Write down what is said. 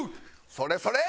それそれ！